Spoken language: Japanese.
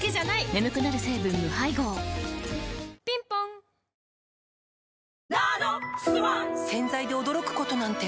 眠くなる成分無配合ぴんぽん洗剤で驚くことなんて